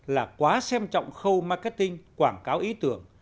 là quá xem trọng khâu marketing quảng cáo ý tưởng